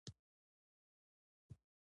زه د خپل پلار سره کار کوم.